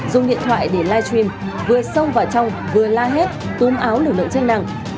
dùng điện thoại để livestream vừa xông vào trong vừa la hét túm áo lực lượng chức năng